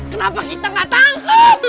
kenapa kita gak tangkap